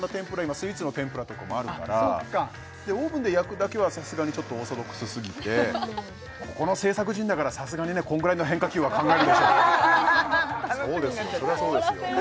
今スイーツの天ぷらとかもあるからオーブンで焼くだけはさすがにちょっとオーソドックスすぎてここの制作陣だからさすがにねこんぐらいの変化球は考えるでしょそうですよ